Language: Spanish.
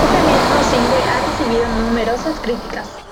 Éste mismo single, ha recibido numerosas críticas.